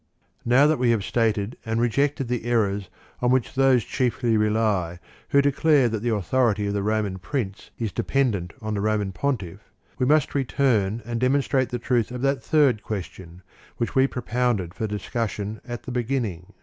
Now that we have stated and rejected the errors on which those chiefly rely who declare that the authority of the Roman Prince is de pendent on the Roman Pontiff, we must return and demonstrate the truth of that third ques tion, which we propounded for discussion at the beginning.